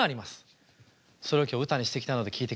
それを今日歌にしてきたので聴いてください。